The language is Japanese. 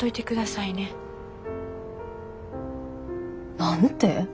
何て？